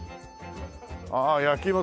ああ焼き芋